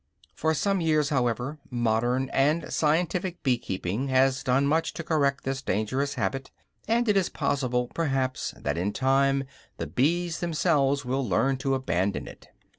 For some years, however, modern and scientific bee keeping has done much to correct this dangerous habit; and it is possible, perhaps, that in time the bees themselves will learn to abandon it.